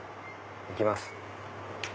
行きます。